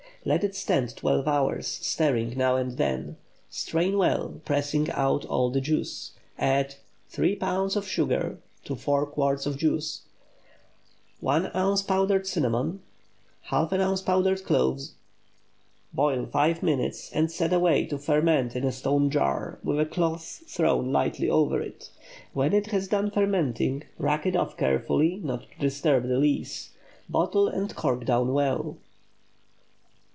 Let it stand twelve hours, stirring now and then. Strain well, pressing out all the juice. Add 3 lbs. of sugar to 4 quarts of juice. 1 oz. powdered cinnamon. ½ oz. powdered cloves. Boil five minutes, and set away to ferment in a stone jar, with a cloth thrown lightly over it. When it has done fermenting, rack it off carefully, not to disturb the lees. Bottle and cork down well.